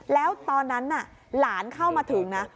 แล้วตอนนั้นน่ะหลานเข้ามาถึงนะ